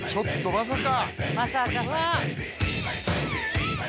まさか。